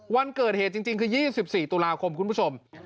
วันเกิดเหตุจริงคือ๒๔ตุลาคมคุณผู้ชม